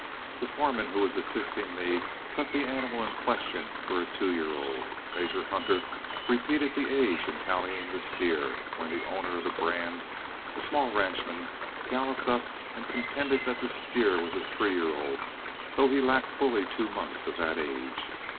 The foreman who was assisting me cut the animal in question for a two year old, Major Hunter repeated the age in tallying the steer, when the owner of the brand, a small ranchman, galloped up and contended that the steer was a three year old, though he lacked fully two months of that age.